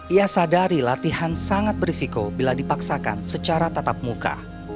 ia sadari latihan sangat berisiko bila dipaksakan secara tatap muka